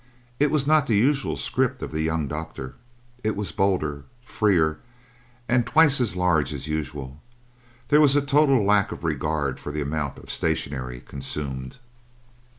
It was not the usual script of the young doctor. It was bolder, freer, and twice as large as usual; there was a total lack of regard for the amount of stationery consumed.